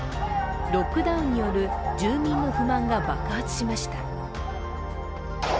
ロックダウンによる住民の不満が爆発しました